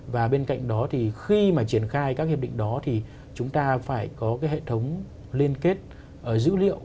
và bên cạnh đó thì khi mà triển khai các hiệp định đó thì chúng ta phải có cái hệ thống liên kết dữ liệu